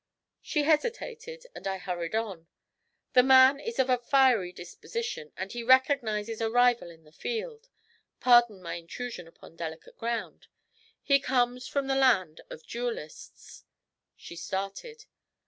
She hesitated, and I hurried on: 'The man is of a fiery disposition, and he recognises a rival in the field pardon my intrusion upon delicate ground. He comes from the land of duellists.' She started.